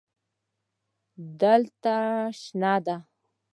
دا شنه ده